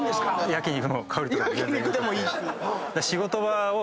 焼肉でもいいし。